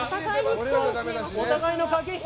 お互いの駆け引き。